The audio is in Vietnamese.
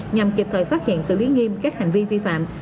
nhằm kịp thời phát hiện xử lý nghiêm các hành vi vi phạm